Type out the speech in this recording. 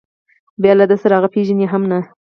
بیا له ده سره هغه پېژني هم نه.